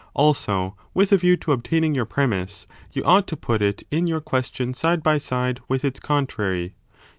Also, with a view to obtaining your premiss, you ought to put it in your 40 question side by side with its contrary.